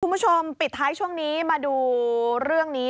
คุณผู้ชมปิดท้ายช่วงนี้มาดูเรื่องนี้